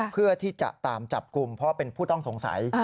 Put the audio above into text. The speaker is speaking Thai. เพื่อที่จะตามจับกลุ่มเพราะเป็นผู้ต้องสงสัย